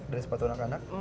dari sepatu anak anak